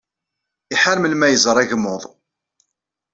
Iḥar melmi ara iẓer agmuḍ.